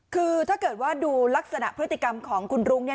คือถ้าเกิดว่าดูลักษณะพฤติกรรมของคุณรุ้ง